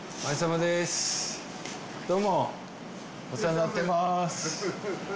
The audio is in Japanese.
どうもお世話になってます。